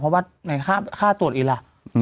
เพราะว่าในค่าตรวจอีล่ะ